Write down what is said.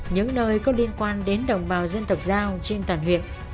những nơi có liên quan đến đồng bào dân tộc giao trên toàn huyện